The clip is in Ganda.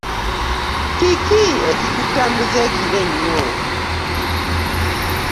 Kiki ekikutambuza ekiro ennyo?